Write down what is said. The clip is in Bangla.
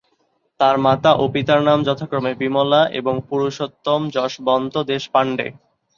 তাঁর মাতা ও পিতার নাম যথাক্রমে বিমলা এবং পুরুষোত্তম যশবন্ত দেশপাণ্ডে।